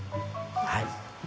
はい。